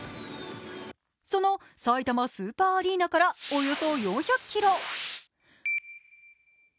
そのさいたまスーパーアリーナからおよそ４００ｋｍ。